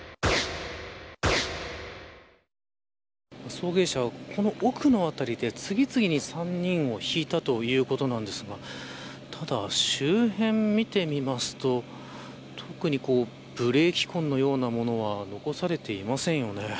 送迎車はこの奥の辺りで次々に３人をひいたということですがただ、周辺を見てみますと特にブレーキ痕のようなものは残されていませんよね。